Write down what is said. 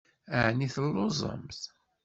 Ɛni telluẓemt?